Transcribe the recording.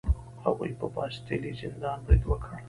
هغوی په باستیلي زندان برید وکړ.